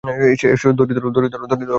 এসো, এসো, দঁড়ি ধরো।